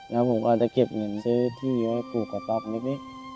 แล้วผมก็จะเก็บเงินซื้อที่ไว้ปลูกกระต๊อบนิด